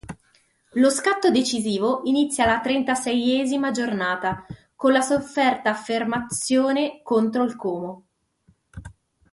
Lo scatto decisivo inizia alla trentaseiesima giornata, con la sofferta affermazione contro il Como.